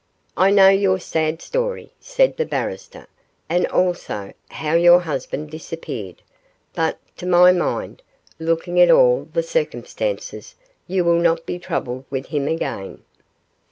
'I know your sad story,' said the barrister, 'and also how your husband disappeared; but, to my mind, looking at all the circumstances, you will not be troubled with him again.